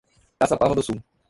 Caçapava do Sul